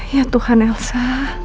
ya tuhan elsa